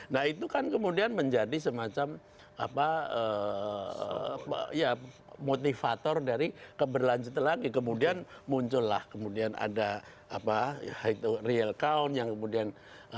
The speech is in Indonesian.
nah itu kan kemudian menjadi semacam apa ya motivator dari keberlanjutan lagi kemudian muncullah kemudian ada real count yang kemudian